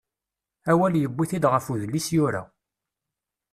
Awal yuwi-t-id ɣef udlis yura.